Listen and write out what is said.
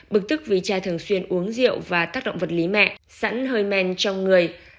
bực tức vì cha thường xuyên uống rượu và tác động vật lý mẹ sẵn hơi men trong người